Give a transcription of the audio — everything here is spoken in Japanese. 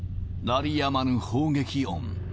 鳴りやまぬ砲撃音。